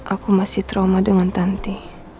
aku masih trauma dengan tanti